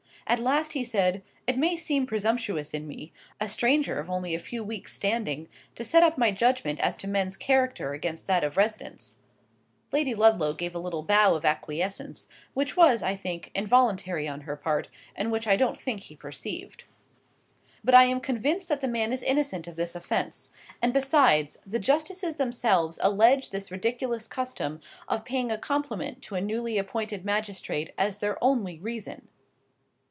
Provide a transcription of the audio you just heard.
At last he said—"It may seem presumptuous in me,—a stranger of only a few weeks' standing—to set up my judgment as to men's character against that of residents—" Lady Ludlow gave a little bow of acquiescence, which was, I think, involuntary on her part, and which I don't think he perceived,—"but I am convinced that the man is innocent of this offence,—and besides, the justices themselves allege this ridiculous custom of paying a compliment to a newly appointed magistrate as their only reason."